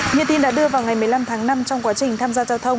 như tin đã đưa vào ngày một mươi năm tháng năm trong quá trình tham gia giao thông